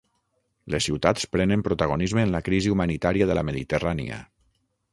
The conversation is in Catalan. Les ciutats prenen protagonisme en la crisi humanitària de la Mediterrània